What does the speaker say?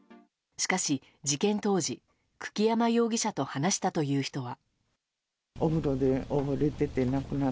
しかし、事件当時久木山容疑者と話したという人は。